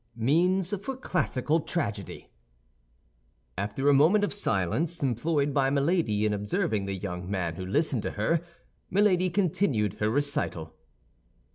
MEANS FOR CLASSICAL TRAGEDY After a moment of silence employed by Milady in observing the young man who listened to her, Milady continued her recital.